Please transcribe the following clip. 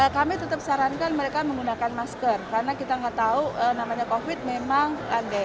kami tetap sarankan mereka menggunakan masker karena kita nggak tahu namanya covid memang landai